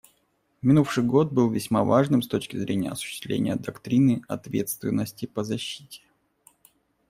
Минувший год был весьма важным с точки зрения осуществления доктрины «ответственности по защите».